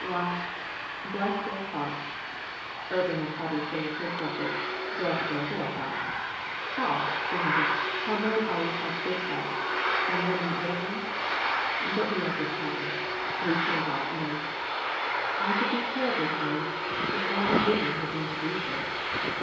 Why, bless their hearts (Irvin will probably say of his subject, "bless their little hearts." Odd, isn't it, how men always have big hearts and women little ones? But we are good packers. We put a lot in 'em) I could be terribly funny, if only women were going to read this.